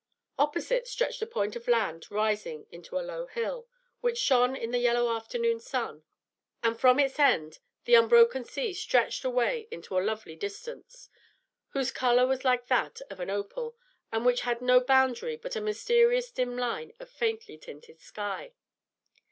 Opposite, stretched a point of land rising into a low hill, which shone in the yellow afternoon sun; and from its end the unbroken sea stretched away into a lovely distance, whose color was like that of an opal, and which had no boundary but a mysterious dim line of faintly tinted sky.